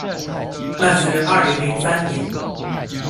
那是二零零三年